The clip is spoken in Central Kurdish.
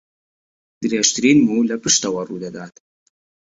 درێژترین موو لە پشتەوە ڕوو دەدات